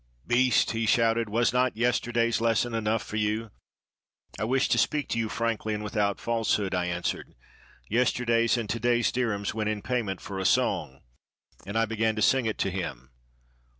"Beast!" he shouted, "was not yesterday's lesson enough for you?" "I wish to speak to you frankly and without falsehood," I answered. "Yesterday's and to day's dirhems went in payment for a song "; and I began to sing it to him.